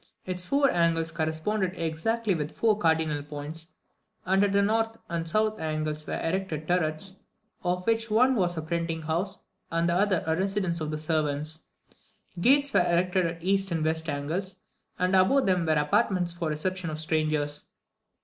Its four angles corresponded exactly with the four cardinal points, and at the north and south angles were erected turrets, of which one was a printing house, and the other the residence of the servants. Gates were erected at the east and west angles, and above them were apartments for the reception of strangers.